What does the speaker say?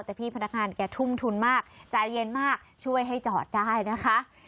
แต่พี่พนักงานแกทุ่มทุนมากใจเย็นมากช่วยให้จอดได้นะคะ